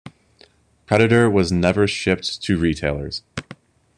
Predator was never shipped to retailers.